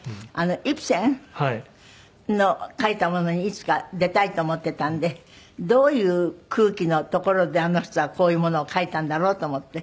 イプセンの書いたものにいつか出たいと思ってたんでどういう空気の所であの人はこういうものを書いたんだろうと思って。